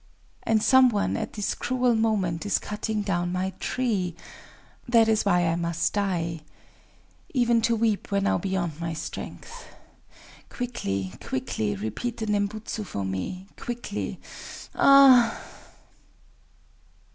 And some one, at this cruel moment, is cutting down my tree;—that is why I must die!... Even to weep were now beyond my strength!—quickly, quickly repeat the Nembutsu for me... quickly!... Ah!..."